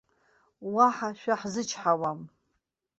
Уаҳа шәаҳзычҳауам.